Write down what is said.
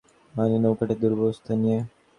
মানে, নৌকাটার দুরবস্থা নিয়ে।